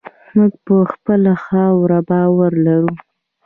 موږ په خپله خاوره باور لرو.